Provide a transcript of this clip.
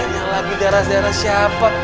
nanya lagi darah darah siapa